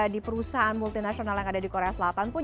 di perusahaan multinasional yang ada di korea selatan pun